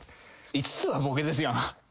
５つはボケですやん。